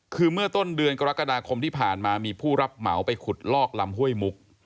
คือเมื่อต้นเดือนกรกฎาคมที่ผ่านมามีผู้รับเหมาไปขุดลอกลำห้วยมุก